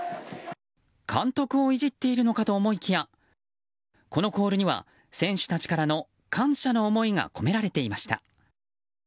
監督をいじっているのかと思いきやこのコールには選手たちからの感謝の思いが込められていました。